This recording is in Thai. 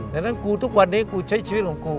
ดังนั้นกูทุกวันนี้กูใช้ชีวิตของกู